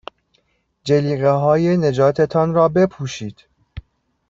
جلیقههای نجات تان را بپوشید.